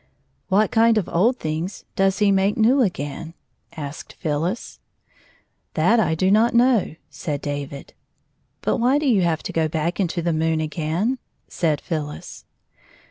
" What kind of old things does he make new again 1 " asked PhyUis. '' That I do not know," said David. " But why do you have to go back into the moon again ?" said PhylUs.